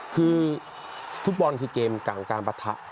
คือฟุตบอลคือเกมกลางการปะทะ